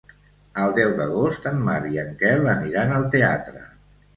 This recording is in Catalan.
El deu d'agost en Marc i en Quel aniran al teatre.